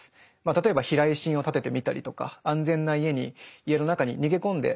例えば避雷針をたててみたりとか安全な家に家の中に逃げ込んでしまえばですね